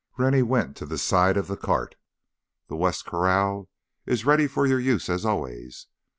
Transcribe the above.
Rennie went to the side of the cart. "The west corral is ready for your use as always.